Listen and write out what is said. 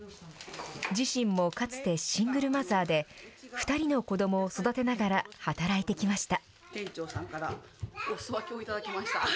自身もかつてシングルマザーで、２人の子どもを育てながら働いてきました。